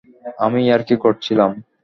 আমি ইয়ার্কি করছিলাম।